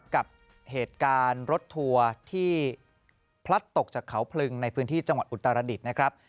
กับเหตุการณ์รถทัวร์ที่พลัดตกจากเขาพลึงในพื้นที่จังหวัดอุตรดิษฐ์นะครับ